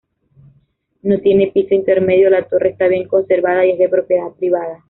No tiene piso intermedio, la torre está bien conservada y es de propiedad privada.